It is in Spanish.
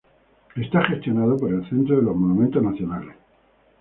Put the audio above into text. Es gestionado por el centro de los monumentos nacionales.